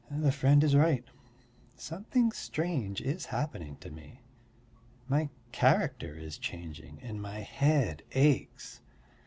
The friend is right. Something strange is happening to me. My character is changing and my head aches.